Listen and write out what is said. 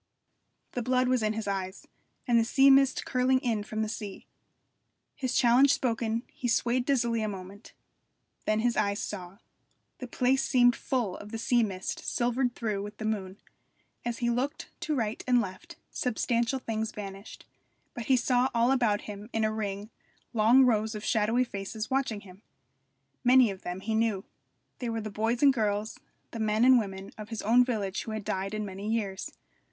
The blood was in his eyes, and the sea mist curling in from sea. His challenge spoken, he swayed dizzily a moment. Then his eyes saw. The place seemed full of the sea mist silvered through with the moon. As he looked to right and left substantial things vanished, but he saw all about him in a ring long rows of shadowy faces watching him. Many of them he knew. They were the boys and girls, the men and women, of his own village who had died in many years.